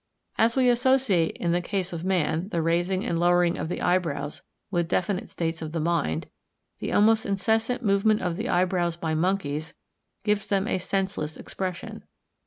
As we associate in the case of man the raising and lowering of the eyebrows with definite states of the mind, the almost incessant movement of the eyebrows by monkeys gives them a senseless expression.